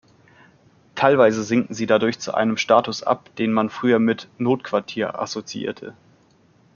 Teilweise sinken sie dadurch zu einem Status ab, den man früher mit „Notquartier“ assoziierte.